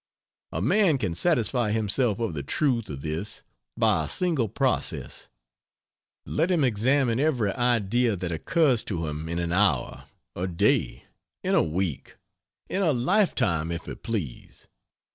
A man can satisfy himself of the truth of this by a single process, let him examine every idea that occurs to him in an hour; a day; in a week in a lifetime if he please.